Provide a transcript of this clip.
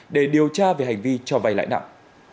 để điều tra về hành vi cho vay lãi nặng